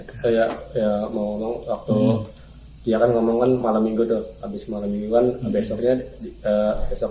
kayak ya mau ngomong waktu dia ngomongkan malam minggu tuh habis malam mingguan besoknya besok